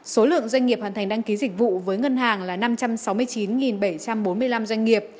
số lượng doanh nghiệp hoàn thành đăng ký dịch vụ với ngân hàng là năm trăm sáu mươi chín bảy trăm bốn mươi năm doanh nghiệp